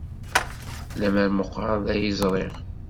Lemmer meqqar d ay yeẓri!